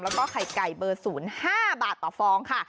แล้วก็ไข่ไก่เบอร์๐๕บาทต่อฟองค่ะ